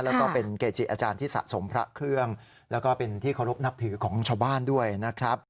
แล้วก็เป็นเกจิอาจารย์ที่สะสมพระเครื่องแล้วก็เป็นที่เคารพนับถือของชาวบ้านด้วยนะครับ